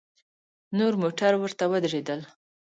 نور موټر ورته ودرېدل.